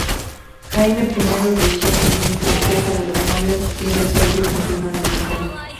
Jaime I rehusó seguir el consejo de los nobles, y resolvió continuar la campaña.